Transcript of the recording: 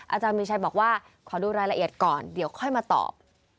อาจารย์มีชัยบอกว่าขอดูรายละเอียดก่อนเดี๋ยวค่อยมาตอบ